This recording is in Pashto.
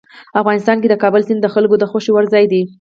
افغانستان کې د کابل سیند د خلکو د خوښې وړ ځای دی.